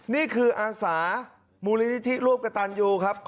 นี่คืออาสามูลนิธิร่วมกระตันยูครับ